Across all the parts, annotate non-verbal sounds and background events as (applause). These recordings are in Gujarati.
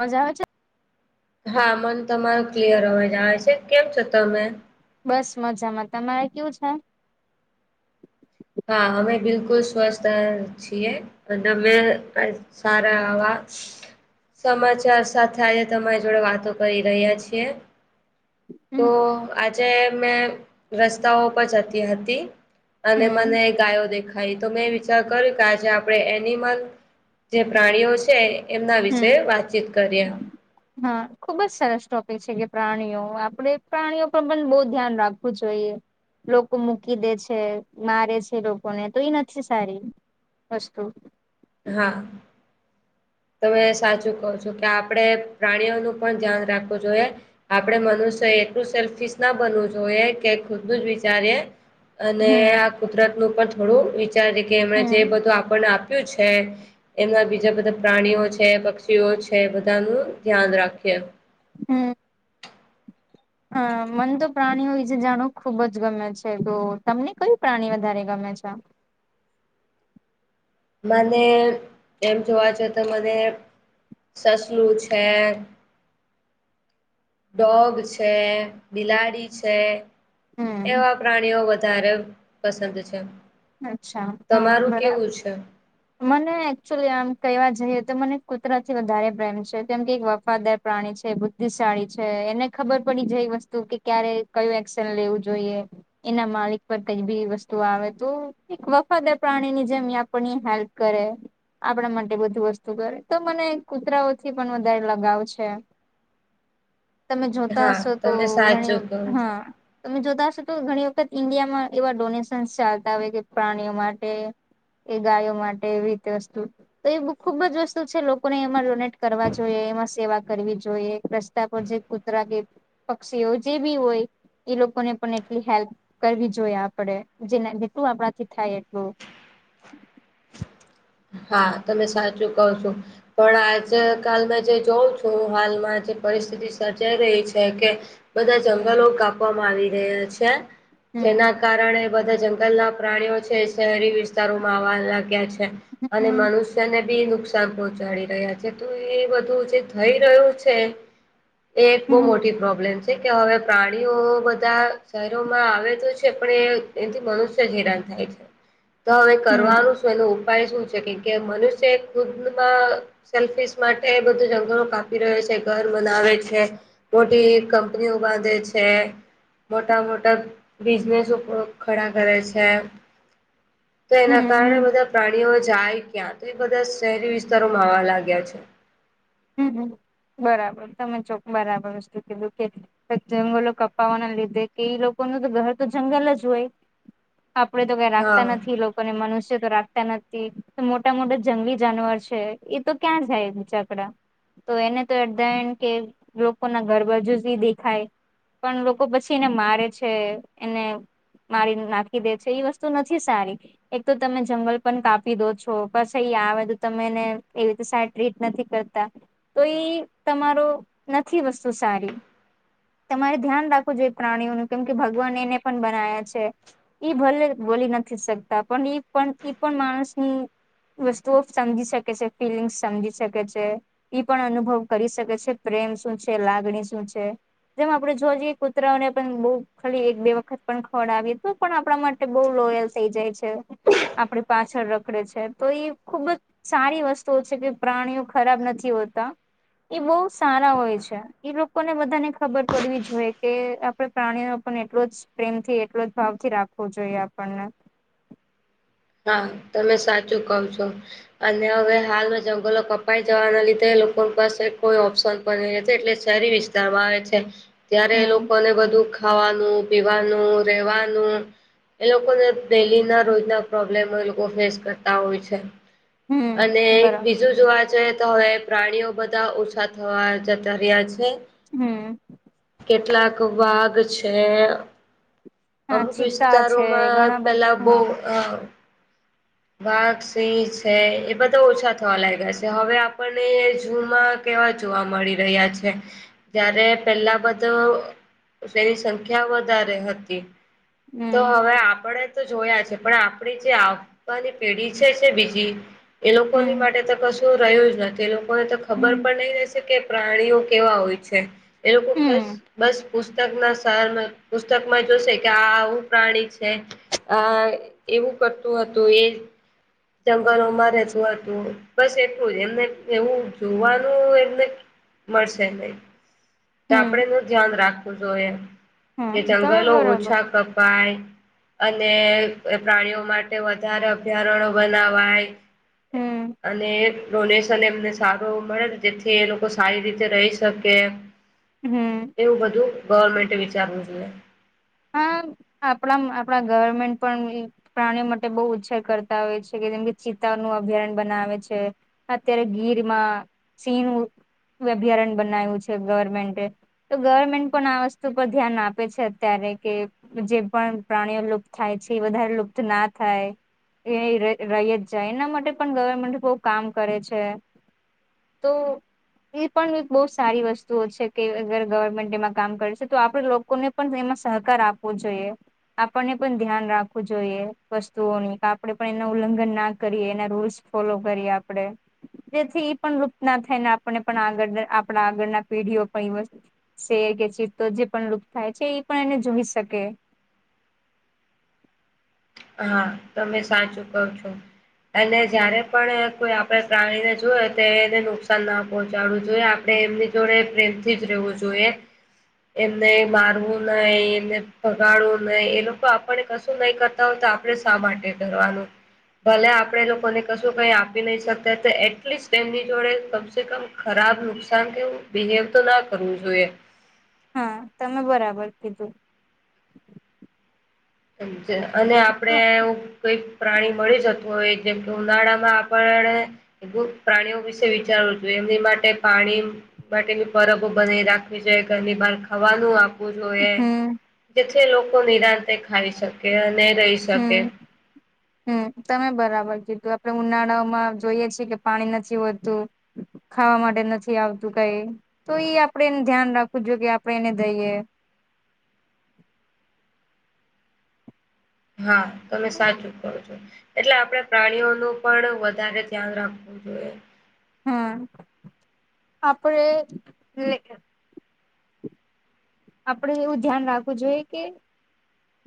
મજા આવે છે? હા, મન તમારું ક્લિયર હોવા જ આવે છે. કેમ છો તમે? બસ મજામાં. તમારે કેવું છે? હા, હમે બિકુલ સ્વસ્થ છીએ. અનેમે પસારવા. સમાચાર સાથે, આજે તમારી જોડે વાતો કરી રહ્યા છીએ. હમ તો આજે મેં રસ્તાઓ પર જતી હતી, અને હમ મને ગાય દેખાય તો મેં વિચાર કર્યું કે, આજે આપણે એનિમલ જે પ્રાણીઓ છે. એમના વિશે હમ વાતચીત કરીએ. હા, ખુબ જ સરસ ટોપિક છે કે, પ્રાણીઓ આપડે પ્રાણીઓ પર પણ બહુ ધ્યાન રાખજ હુ જોઈએ લોકો મૂકી દે છે, મારે છે, લોકોને તો એ નથી સારી (unintelligible) હા. તમે સાચું કહો છો કે, આપણે પ્રાણીઓનું પણ ધ્યાન રાખવું જોઈએ. આપડે મનુષ્ય એટલું સેલ્ફિસ ના બનવું જોઈએ, કે ખુદું જ વિચારીએ. અને હમ આ કુદરત નું પણ થોડું વિચાર છે કે, એમણે જે હમ બધું આપણને આપ્યું છે. એના બીજા બધા પ્રાણીઓ છે, પક્ષીઓ છે, બધાનું ધ્યાન રાખીએ. હમ. હા, મને તો પ્રાણીઓ વિશે જાણો ખુબ જ ગમે છે તો તમને કયું પ્રાણી વધારે ગમે છે? મને એમ જોવા જ તો મને સસલું છે. ડોગ છે, બિલાડી છે. હમ એવા પ્રાણીઓ વધારે પસંદ છે. અચ્છા હા તમારું કેવું છે? બરાબર મને એકચુલી આમ કહેવા જઈએ તો મને કુતરા થી વધારે પ્રેમ છે કેમ કે વફાદાર પ્રાણી છે બુદ્ધિશાળી છે એને ખબર પડી જાય એ વસ્તુ કે ક્યારે કયું એક્શન લેવું જોઈએ. એના માલિક પર કઈબી વસ્તુ આવે? તો એક વફાદાર પ્રાણી ની જેમ આપણ હેલ્પ કરે આપણા માટે બધું વસ્તુ કરે તો મને કૂતરાઓથી પણ વધારે લગાવ છે. તમે જોતા હા હશો તો તમે ઘણી સાચું વખત કહો હા છો તમે જોતા હશો તો ઘણી વખત ઇન્ડિયામાં એવા ડોનેશન ચાલતા હોય કે પ્રાણીઓ માટે એ ગાયો માટે એવી રીતે વસ્તુ તો એ બ ખુબ જ વસ્તુ છે લોકોને એમાં ડોનેટ કરવા જોઈએ એમાં સેવા કરવી જોઈએ. જે કૂતરા કે પક્ષીઓ જે બી હોય એ લોકોને પણ એટલી હેલ્પ કરવી જોઈએ આપડે જે જેટલું આપણાથી થાય એટલું હા તમે સાચું કો છો પણ આજ કલ મેં જે જોઉં છું હાલમાં જે પરિસ્થિતિ સર્જાઈ રહી છે કે બધા જંગલો કાપવામાં આવી રહ્યા છે હમ જેના કારણે બધા જંગલના પ્રાણીઓ છે શહેરી વિસ્તારોમાં આવવા લાગ્યા છે અને હમ મનુ તેને બી નુકસાન પહોચાડી રહ્યા છે તો એ બધું જે થઈ રહ્યું છે એ એક બહુ હમ મોટી પ્રોબ્લેમ છે કે હવે પ્રાણીઓ બધા શહેરોમાં આવે તો છે પણ એથી મનુષ્ય હેરાન થાય છે. (inaudible) તો હવે હમ કરવાનું શું એનો ઉપાય શું છે? કે મનુષ્ય ખુદમાં સેલ્ફીસ માટે બધું જંગલો કાપી રહ્યો છે ઘર બનાવે છે મોટી કંપનીઓ બાંધે છે મોટા મોટા બિઝનેસ ખડા કરે છે તો એના કારણે હમ બધા પ્રાણીઓ જાય ક્યાં તો એ બધા શહેરી વિસ્તારોમાં આવા લાગ્યા છે. હમ બરાબર તમે ચો બરાબર વસ્તુ કીધું કેટ જંગલો કપાવાના લીધે કે એ લોકો ન તો ઘર તો જંગલ જ હોય આપડે તો કઈ રાખતા હા. નથી લોકો કોને મનુષ્ય તો રાખતા નથી મોટા મોટા જંગલી જાનવર છે એ તો ક્યાં જાય બીચાકડા? તો એને તો એધ કે લોકો ના ઘરબાજુ જી દેખાય પણ લોકો પછી એને મારે છે એને મારીને નાખી દે છે એ વસ્તુ નથી સારી એક તો તમે જંગલ પણ કાપી દો છો પછી આવે તો‌ તમે એને એવી રીતે. (inaudible) તો એ તમારો નથી વસ્તુ સારી તમારે ધ્યાન રાખવું જોઈએ પ્રાણીઓનુ કેમ કે ભગવાન એને પણ બનાયા છે એ ભલે બોલી નથી શકતા પણ એ પણ ઈ પણ માણસની વસ્તુઓ સમજી શકે છે ફિલિંગ્સ સમજી શકે છે. ઈ પણ અનુભવ કરી શકે છે પ્રેમ શું છે? લાગણી શું છે? જેમાં આપડે જોવા જઈએ કુતરાઓને પણ બહુ ખાલી એક બે વખત પણ ખવડાવી તો પણ આપણા માટે બઉ લોયલ થઈ જાય છે. આપણી પાછળ રખડે છે તો એ ખુબ જ સારી વસ્તુઓ છે કે પ્રાણીઓ ખરાબ નથી હોતા એ બહુ સારા હોય છે એ લોકોને બધાને ખબર પડવી જોઈએ કે આપ પ્રાણીનો પણ એટલો જ પ્રેમથી એટલો જ ભાવ થી રાખવો જોઈએ આપણને હા તમે સાચું કવ છો અને હવે હાલમાં જંગલો કપાઈ જવાના લીધે લોકો પાસે કોઈ ઓપ્શન બ છે એટલે શહેરી વિસ્તારમાં આવે છે ત્યારે હમ લોકોને બધું ખાવાનું પીવાનું, રેવાનું એ લોકોને ડેલી ના રોજ ના પ્રોબ્લેમો ઈ લોકો ફેસ કરતા હોય છે અને હમ બરાબર જું જોવા જઈએ તો હવે પ્રાણીઓ બધા ઓછા થવા જતા રીયા છે. હમ કેટલાક વાઘ છે. હા અમુક ચિત્તા છે વિસ્તારોમાં ઘણા પેલા બધા બો હા અ વાઘ, સિંહ છે એ બધા ઓછા થવા લાયગા સે, હવે આપણને જૂમાં કેવા જોવા મળી રહ્યા છે, જયારે પેલા બધું તેની સંખ્યા વધારે હતી. તો હમ હવે આપડે તો જોયા છે, પણ આપડી જે ની પેઢી છે છે બીજી એ લોકોની હમ માટે તો કશું રહ્યું જ નથી એ લોકો કોય તો ખબર હમ પણ નઈ રેશે કે પ્રાણીઓ કેવા હોય છે એ લોકો ખ હમ બસ પુસ્તક ના સર પુસ્તકમાં જોશે કે આ આવું પ્રાણી છે. આ એવું કરતું હતું એ જંગલોમાં રેતું હતું બસ એટલું જ એમને એવું જોવાનું એમને મળશે નય, તો આપણે હમ ને ધ્યાન રાખવું જોઈએ. કે હમ તમે જંગલો બરોબર ઓછા કપાય. અને પ્રાણીઓ માટે વધારે અભયારણ્ય બનાવાય. હમ અને ડોનેશન એમને સારુ મળેને તેથી એ લોકો સારી રીતે રહી શકે. હમ એવું બધું ગવર્મેન્ટે વિચારવું જોએ. હા આપણા આપણા ગવર્મેન્ટ પણ પ્રાણીઓ માટે બઉ ઉછેર કરતા હોય છે, કે જેમ કે ચિત્તા નું અભયારણ બનાવે છે. અત્યારે ગીરમાં સિંહ નુ અભયારણ્ય બનાવ્યું છે, ગવર્મેન્ટે. તો ગવર્મેન્ટ પણ આ વસ્તુ પર ધ્યાન આપે છે અત્યારે. કે જે પણ પ્રાણીઓ લુપ્ત થાય છે એ વધારે લુપ્ત ના થાય. એ ર રય જ જાય એના માટે પણ ગવર્મેન્ટ બવ કામ કરે છે. તો એ પણ બઉ સારી વસ્તુઓ છે કે અગર ગવર્મેન્ટ એમાં કામ કરેસે તો આપડે લોકોને પણ એમાં સહકાર આપવો જોઈએ. આપણને પણ ધ્યાન રાખવું જોઈએ વસ્તુઓની, કે આપણે પણ એ ઉલ્લંઘન ના કરીએ એના રૂલ્સ ફોલો કરીએ આપડે. જેથી ઈ પણ લુપ્ત ના થઈ ને આપને પણ આગળ આપડણા આગળના પેઢીઓ પણ ઈ વસ્ત સેર કે ચિતો જે પણ લુપ્ત થાય છે, ઈ પણ એને જોઈ સકે. હા, તમે સાચું કહો છો. અને જયારે પણ કોઈ આપણે જાવાયને જોયે તો એને નુકસાન ના પહોંચાડવું જોઈએ. આપડણે એમની જોડે પ્રેમથી જ રેવું જોઈએ. એમને મારવું નઈ, એમને ભગાડવું નઈ, એ લોકો આપણને કશું નહી ક તા હોય તો, આપડે શા માટે કરવારનું? ભલે આપડે એ લોકોને કશું કઈ આપી નઈ સકતા તો, એટલીસ્ટ એમની જોડે કમસે કમ ખરાબ, નુકસાન કેવુ બિહેવ તો ના કરવું જોઈએ. હા, તમે બરાબર કીધુ. જ અને આપડે એવું કઈક પ્રાણી મળી જતું હોય, જેમ કે ઉનાળા માં આપણ એ બ પ્રાણીઓ વિસે વિચારવું જોઈએ, એમની માટે પાણી માટેની પરબો બનાવી રાખવી જોયે, ઘરની બહાર ખાવાનું આ પવુ જોઈએ, હમ જેથી એ લોકો નિરાંતે ખાઈ શકે અને રહી શકે હમ હમ.. તમે બરાબર કીધું આપડણે ઉનાળાઓમાં જોઈએ છીએ, કે પાણી નથી હોતું. ખાવા માટે નથી આવતું કઈ તો ઈ આપડે એને ધ્યાન રાખવું જોઈએ, કે આપડણે એને દઈએ. હા તમે સાચું કરો છો. એટલે આપણે પ્રાણીઓનું પણ વધારે ધ્યાન રાખવું જોઈએ. હમ આપડ આપડે એવું ધ્યાન રાખવું જોઈએ કે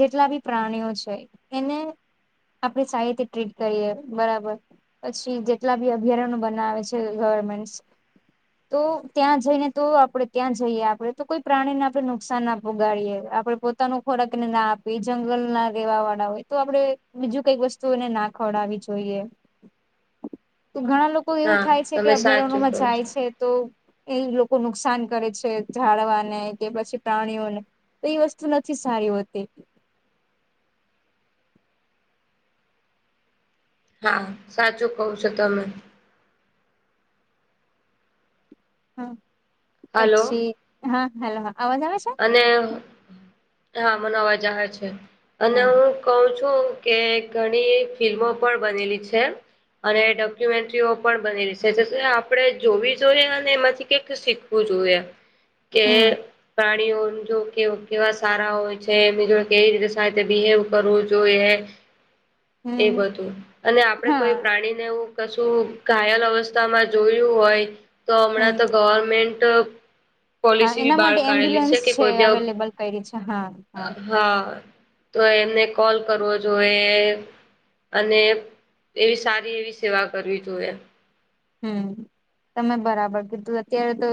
જેટલા બી પ્રાણીઓ છે, એને આપડી સાહિત્ય ટ્રીટ કરીએ બરાબર પછી જેટલા બી અભયારણ્ય બનાવે છે, ગવર્મેન્ટ તો ત્યાં જઈને, તો આપડે ત્યાં જઈએ આપણેે તો કોઈ પ્રાણી ના આપણે નુકસાન ના આપુંગાડીએ આપડે પોતાનું ખોરાક ને ના આપી જંગલ ના રહેેવા વાળા હોય તો આપડણે બીજું કઈક વસ્તુ એને ના ખવડાવી જોઈએ, તો ઘણા લોકો એવું હા થાય છે, કે તમે સાચું અભયારણ્યમાં કહો જાય છો છે તો એ લોકો નુકસાન કરે છે, ઝડવાને કે પછી પ્રાણીઓને તો એઈ વસ્તુ નથી સારી હોતી. હા સાચું કવ છો, તમે હા હલો પછી હા હેલો હા અવાજ આવે છે. અને હા મનાવા જહેર છે, અને હા હુ કઉ છુ, કે ઘણી ફિલ્મો પણ બનેલી છે. અને ડોક્યુમેન્ટ્રીઓ પણ બની રશે આપડે જોવી જોઈએ અને એમાંથી કઈક શીખવું જોઈએ. હ કે પ્રાણીઓ જો કે કેવા સારા હોય છે, જો કેવી રીતે બિહેવ કરવું જોઈએ. એ હમ બધું અને આપડે કોઈ હા પ્રાણીને એવુ કશું ઘાયલ અવસ્થામાં જોયું હોય, તો હમણાં હમ તો ગવર્મેન્ટ હા પોલિસી બી એના બહાર માટે કાઢેલી છે, એમ્બ્યુલન્સ કે કોઈ બી અવેલેબલ કરી છે હા હા તો એમને કોલ કરવો જોએ. અને એવી સારી એવી સેવા કરવી જોઈએ. હમ તમે બરાબર કીધું અત્યારે તો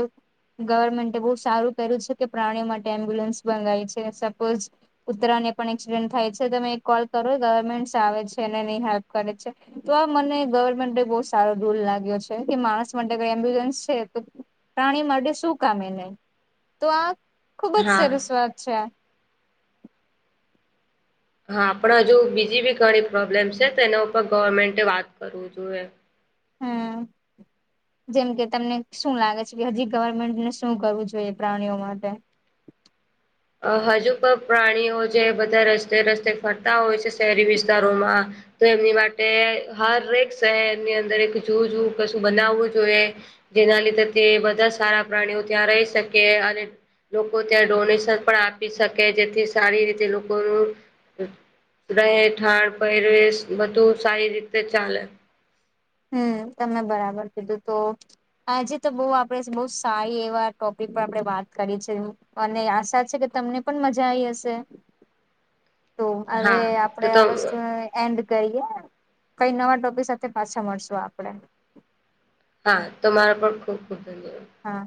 ગવર્મેન્ટે બહુ સારુ કર્યુ છે, કે પ્રાણીઓ માટે એમ્બ્યુલન્સ મંગાય છે સપોઝ કુતરા ને પણ એક્સિડેન્ટ થાય છે તમે એક કોલ કરો ગવર્મેન્ટસ આવે છે, અને નની હેલ્પ કરે છે. તો આ મને ગવર્મેન્ટ બહ સારો રૂલ લાગે. કે માણસ માટે એમ્બ્યુલન્સ છે, તો પ્રાણી માટે શું કામ એને તો આ ખુબ જ હા સરસવાત છે, આ હા આપણા હજુ બીજી બી ઘણી પ્રોબ્લેમ છે, તો એના ઉપર ગવર્મેન્ટ વાત કરવું જોઈએ. હમ્મ જેમ કે તમને શું લાગે છે, કે હજી ગવર્મેન્ટને શું કરવું જોઈએ પ્રાણીઓ માટે અ હજુ પણ પ્રાણીઓ જે બધા રસ્તે રસ્તે ફરતા હોય છે, શહેરી વિસ્તારોમા તો એમની માટે હરેક શહેરની અંદર એક જો જોું કશું બનાવવું જોઈએ. જેના લીધે તે બધા સારા પ્રાણીઓ ત્યાં રહી, શકે અને લોકો ત્યાં ડોનેશન પણ આપી શકે જેથી સારી રીતે લોકોનુ રહે ઠાળ પવેશ બધું સારી રીતે ચાલે હમ, તમે બરાબર કીધું તો હજે તો બહ આપડે બહ સારી એવા ટોપિક પર આપણે વાત કરી છે. અને આશા છે, કે તમને પણ મજા આવીઈ હશે તો હવે હા તો આપડે તો આ વસ્તુ એન્ડ કરીએ, કઈ નવા ટોપિક સાથે પાછ શું આપડે હા તમારા પણ ખુબ ખુબ ધન્યવાદ હા